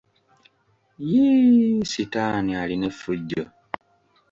Yiiii...sitaani alina effujjo!